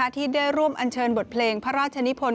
ที่ได้ร่วมอัญเชิญบทเพลงพระราชนิพล